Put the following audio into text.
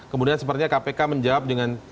kemudian sepertinya kpk menjawab